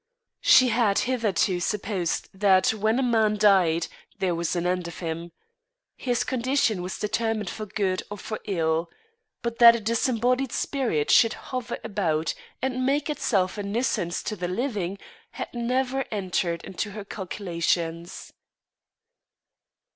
She had hitherto supposed that when a man died there was an end of him; his condition was determined for good or for ill. But that a disembodied spirit should hover about and make itself a nuisance to the living, had never entered into her calculations.